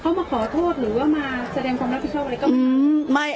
เขามาขอโทษหรือว่ามาแสดงความรับผิดชอบอะไรก็ไม่